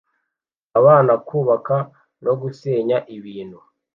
Abana kubaka no gusenya ibintu